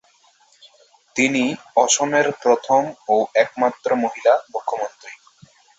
তিনিই অসমের প্রথম ও একমাত্র মহিলা মুখ্যমন্ত্রী।